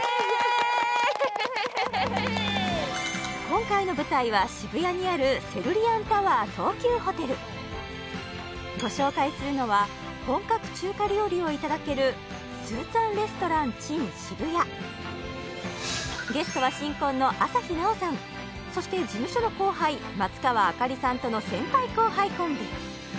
今回の舞台は渋谷にあるセルリアンタワー東急ホテルご紹介するのは本格中華料理をいただけるゲストは新婚の朝日奈央さんそして事務所の後輩松川星さんとの先輩後輩コンビ